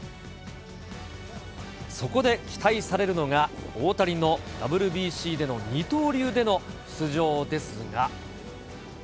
そこで期待されるのが、大谷のＷＢＣでの二刀流での出場ですが。